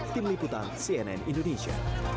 tim liputan cnn indonesia